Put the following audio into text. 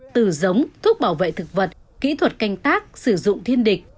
từ giống thuốc bảo vệ thực vật kỹ thuật canh tác sử dụng thiên địch